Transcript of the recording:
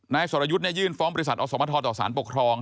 สรยุทธ์ยื่นฟ้องบริษัทอสมทรต่อสารปกครอง